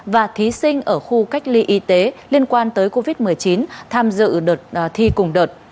và thí sinh ở khu cách ly y tế liên quan tới covid một mươi chín tham dự đợt thi cùng đợt